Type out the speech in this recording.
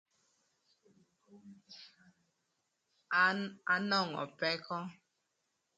An anwongo pëkö